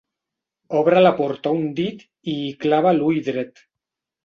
Obre la porta un dit i hi clava l'ull dret.